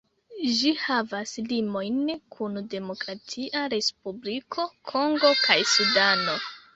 Ĝi havas limojn kun Demokratia Respubliko Kongo kaj Sudano.